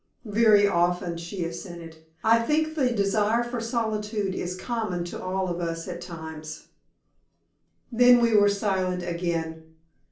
"Very often," she assented. "I think the desire for solitude is common to all of us at times." Then we were silent again.